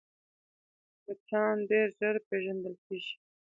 مچان ډېر ژر پېژندل کېږي